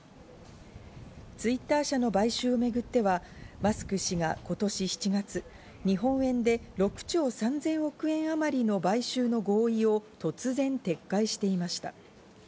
Ｔｗｉｔｔｅｒ社の買収をめぐってはマスク氏が今年７月、日本円で６兆３０００億円あまりの買収の合意を突然撤回していました。